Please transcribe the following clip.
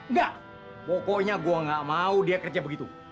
nggak pokoknya gua nggak mau dia kerja begitu